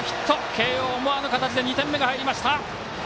慶応、思わぬ形で２点目が入りました。